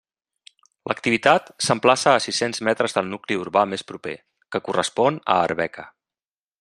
L'activitat s'emplaça a sis-cents metres del nucli urbà més proper, que correspon a Arbeca.